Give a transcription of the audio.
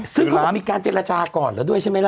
ซึ่งเขาบอกมีการเจรจาก่อนแล้วด้วยใช่ไหมล่ะ